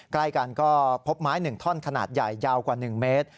ใกล้กันก็พบไม้๑ท่อนขนาดใหญ่ยาวกว่า๑เมตร